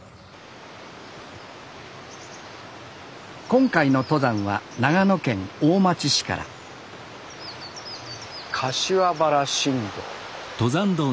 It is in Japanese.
今回の登山は長野県大町市から柏原新道。